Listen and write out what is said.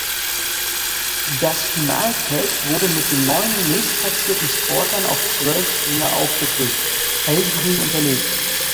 Das Finalfeld wurde mit den neun nächstplatzierten Sportlern auf zwölf Springer aufgefüllt (hellgrün unterlegt).